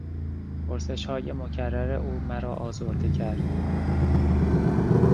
پرسشهای مکرر او مرا آزرده کرد.